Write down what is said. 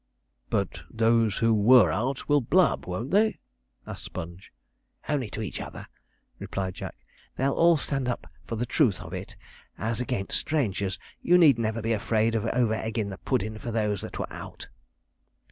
'But those who were out will blab, won't they?' asked Sponge. 'Only to each other,' replied Jack. 'They'll all stand up for the truth of it as against strangers. You need never be afraid of over eggin' the puddin' for those that were out.'